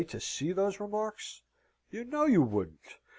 to see those remarks? You know you wouldn't.